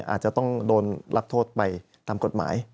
อาจจะต้องโดนรับโทษไปตามกฎหมาย